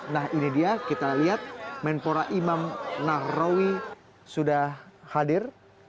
nah ini dia kita lihat menpora imam nahrawi sudah hadir